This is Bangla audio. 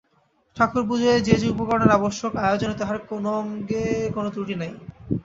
ঠাকুরপূজায় যে যে উপকরণের আবশ্যক, আয়োজনে তাহার কোন অঙ্গে কোন ত্রুটি নাই।